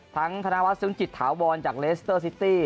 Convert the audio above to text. ทั้งธนวัตรศึงจิตถาวบอลจากเรสเตอร์ซิตี้